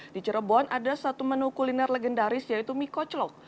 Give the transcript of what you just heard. di cirebon ada satu menu kuliner legendaris yaitu mie koclok